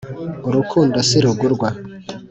urukundo sirugurwa